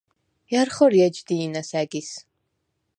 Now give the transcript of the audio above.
ჲა̈რ ხორი ეჯ დი̄ნას ა̈გის?